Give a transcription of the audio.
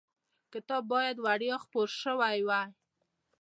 کتاب باید وړیا خپور شوی وای.